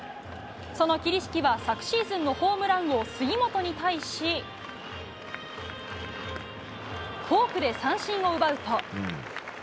その桐敷は、昨シーズンのホームラン王・杉本に対しフォークで三振を奪うと。